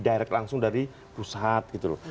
direct langsung dari pusat gitu loh